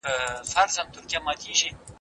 کوم فعالیت د ګلایکوجن مصرف زیاتوي؟